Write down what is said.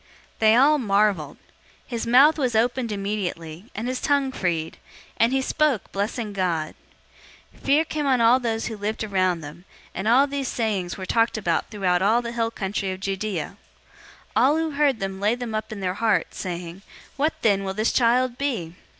They all marveled. 001:064 His mouth was opened immediately, and his tongue freed, and he spoke, blessing God. 001:065 Fear came on all who lived around them, and all these sayings were talked about throughout all the hill country of Judea. 001:066 All who heard them laid them up in their heart, saying, "What then will this child be?"